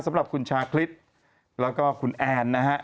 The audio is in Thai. สำหรับคุณชาคริสแล้วก็คุณแอนนะฮะ